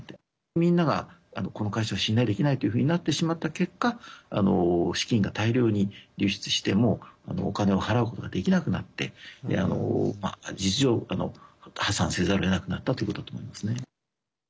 みんながこの会社を信頼できないっていうふうになってしまった結果資金が大量に流出してもうお金を払うことができなくなって事実上破産せざるをえなくなったということだと思いますね。